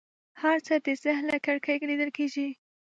هر څه د ذهن له کړکۍ لیدل کېږي.